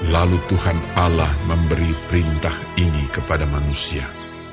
lalu tuhan allah memberi perintah ini kepada manusia